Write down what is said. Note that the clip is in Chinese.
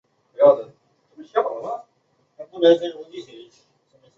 旋量场的狄拉克方程的解常被称为调和旋量。